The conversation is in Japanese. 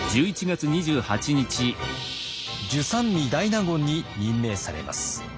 従三位大納言に任命されます。